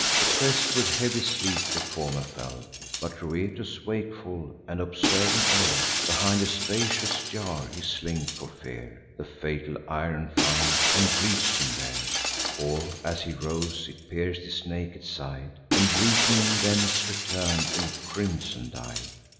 Oppress'd with heavy sleep the former fell, But Rhoetus wakeful, and observing all: Behind a spacious jar he slink'd for fear; The fatal iron found and reach'd him there; For, as he rose, it pierc'd his naked side, And, reeking, thence return'd in crimson dyed.